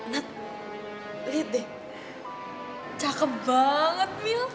nath liat deh cakep banget mil